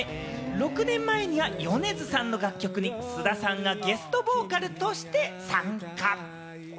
６年前には米津さんの楽曲に菅田さんがゲストボーカルとして参加。